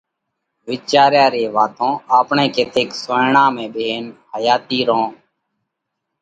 وِيچاريا ري واتون آپڻئہ ڪٿيڪ سونئيڙا ۾ ٻيهينَ حياتِي رون